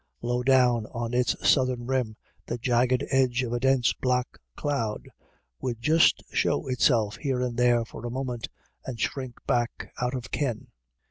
Low down on its southern rim the jagged edge of a dense black cloud would just show itself { here and there for a moment, and shrink back out of ken.